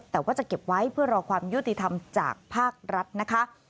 แต่ว่าจะเก็บไว้เพื่อรอความยุติธรรมจากภาครัฐนะคะ